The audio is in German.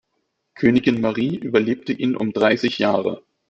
Königin Marie überlebte ihn um dreißig Jahre.